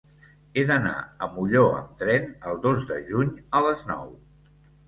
He d'anar a Molló amb tren el dos de juny a les nou.